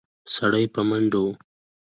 سړی په منډه و.